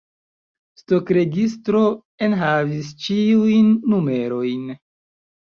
Stokregistro enhavis ĉiujn numerojn.